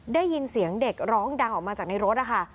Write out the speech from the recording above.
ได้ยินเสียงเด็กร้องดังออกมาจากในรถนะคะ